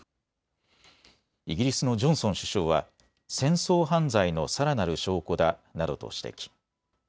イギリスのジョンソン首相は戦争犯罪のさらなる証拠だなどと指摘。